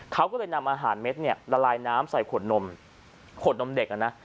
เขาก็เลยนำอาหารเม็ดเนี่ยละลายน้ำใส่ขวดนมขวดนมเด็กอ่ะนะ